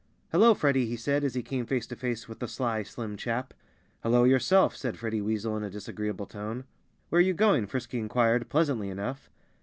"Hello, Freddie!" he said, as he came face to face with the sly, slim chap. "Hello, yourself!" said Freddie Weasel in a disagreeable tone. "Where you going?" Frisky inquired pleasantly enough.